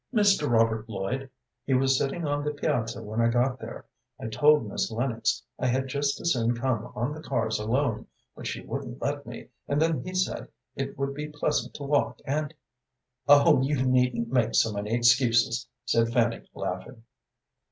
"Mr. Robert Lloyd. He was sitting on the piazza when I got there. I told Miss Lennox I had just as soon come on the cars alone, but she wouldn't let me, and then he said it would be pleasant to walk, and " "Oh, you needn't make so many excuses," said Fanny, laughing.